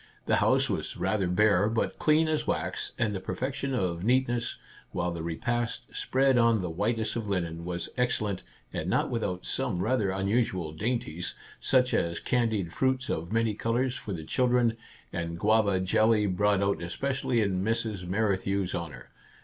The house was rather bare, but clean as wax and the per fection of neatness, while the repast, spread on the whitest of linen, was excellent, and not without some rather unusual dainties, — such as candied fruits of many colours for the chil dren, and guava jelly brought out especially in Mrs. Merrithew's honour.